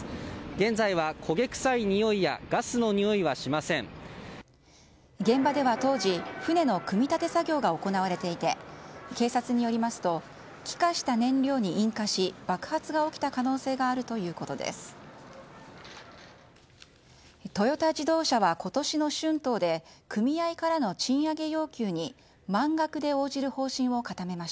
現場では当時船の組み立て作業が行われていて警察によりますと気化した燃料に引火し爆発が起きた可能性があるということです。